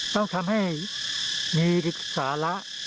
ต้องทำให้มีสาระ